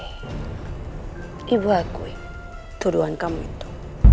ibu aku tuduhan kamu itu